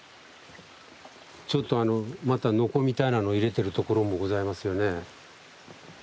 ちょっとまたノコみたいなの入れてるところもございますよね。